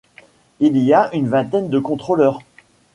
Il y a une vingtaine de contrôleurs.